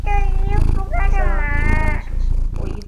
战争使卡累利阿的国民经济和文化事业遭受巨大损失。